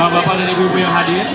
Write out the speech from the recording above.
bapak dan ibu ibu yang hadir